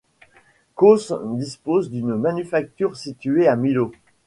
Causse dispose d'une manufacture située à Millau.